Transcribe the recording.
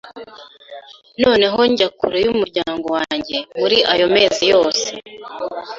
noneho njya kure y’umuryango wanjye muri ayo mezi yose,